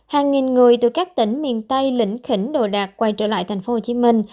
hàng nghìn người từ các tỉnh miền tây lĩnh khỉnh đồ đạc quay trở lại thành phố hồ chí minh